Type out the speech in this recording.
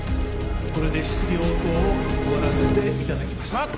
これで質疑応答を終わらせていただきます。